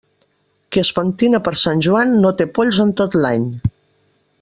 Qui es pentina per Sant Joan, no té polls en tot l'any.